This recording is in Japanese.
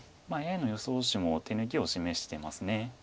ＡＩの予想手も手抜きを示してます。